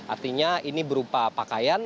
artinya ini berupa pakaian